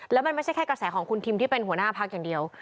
แล้วมันไม่ใช่แค่กระแสของคุณทิมที่เป็นหัวหน้าพักอย่างเดียว